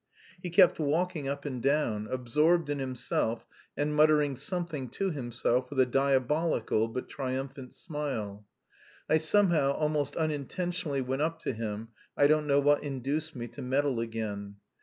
He kept walking up and down, absorbed in himself and muttering something to himself with a diabolical but triumphant smile. I somehow almost unintentionally went up to him. I don't know what induced me to meddle again.